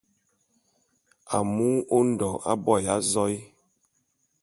Amu Ondo aboya azoé.